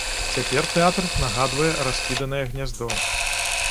Цяпер тэатр нагадвае раскіданае гняздо.